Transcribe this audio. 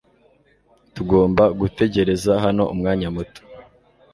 Tugomba gutegereza hano umwanya muto .